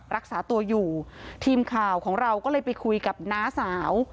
รักษาตัวอยู่ทีมข่าวของเราก็เลยไปคุยกับน้าสาว